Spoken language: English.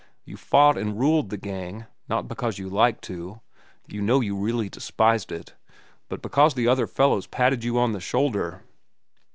You fought and ruled the gang, not because you liked to,—you know you really despised it,—but because the other fellows patted you on the shoulder.